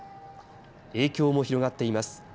影響も広がっています。